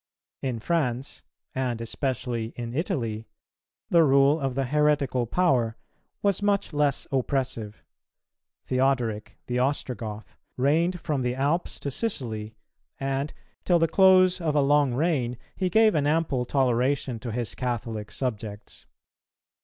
In France, and especially in Italy, the rule of the heretical power was much less oppressive; Theodoric, the Ostrogoth, reigned from the Alps to Sicily, and till the close of a long reign he gave an ample toleration to his Catholic subjects.